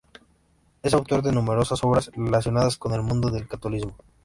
Es autor de numerosas obras relacionadas con el mundo del catolicismo.